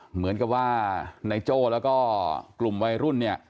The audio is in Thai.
เหมือนกับว่านายโจ้แล้วก็กลุ่มวัยรุ่นเนี่ย